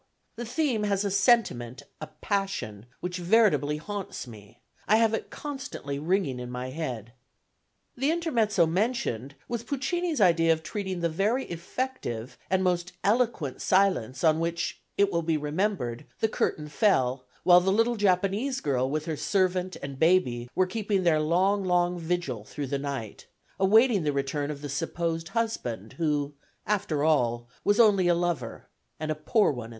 The theme has a sentiment, a passion which veritably haunts me. I have it constantly ringing in my head." The intermezzo mentioned was Puccini's idea of treating the very effective and most eloquent silence on which, it will be remembered, the curtain fell, while the little Japanese girl with her servant and baby were keeping their long, long vigil through the night, awaiting the return of the supposed husband who, after all, was only a lover, and a poor one at that.